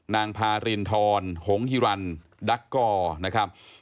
นางพารินทรหงฮิรันดักกอร์นะครับ